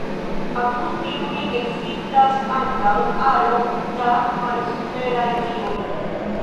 Apud tiuj ekzistas ankaŭ aro da malsuperaj dioj.